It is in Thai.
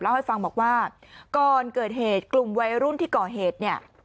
เล่าให้ฟังบอกว่าก่อนเกิดเหตุกลุ่มวัยรุ่นที่ก่อเหตุเนี่ย